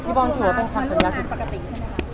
พี่บอร์ดถูกว่าเป็นคำสัญญาณปกติใช่ไหมครับ